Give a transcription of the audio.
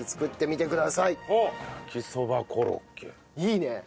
いいね。